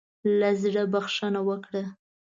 له زړۀ بخښنه وکړه.